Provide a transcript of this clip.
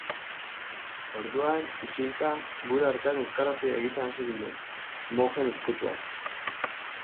Orduan, isilka, gure artean euskaraz egiten hasi ginen, mojen ezkutuan.